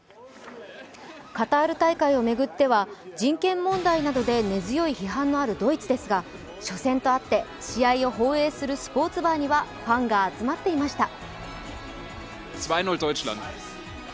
カタール大会を巡っては人権問題などで根強い批判のあるドイツですが初戦とあって試合を放映するスポーツバーにはファンが集まっていました。